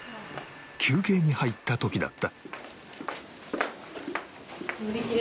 休憩に入った時だった